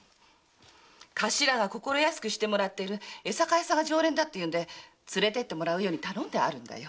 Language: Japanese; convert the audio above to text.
頭が心安くしてもらってる江坂屋さんが常連なので連れていってもらうように頼んであるんだよ。